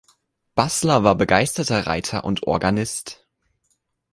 Baßler war begeisterter Reiter und Organist.